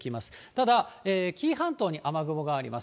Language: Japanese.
ただ、紀伊半島に雨雲があります。